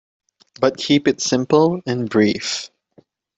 But keep it all simple and brief.